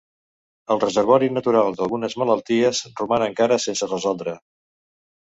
El reservori natural d'algunes malalties roman encara sense resoldre.